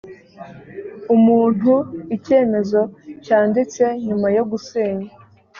umuntu icyemezo cyanditse nyuma yo gusenya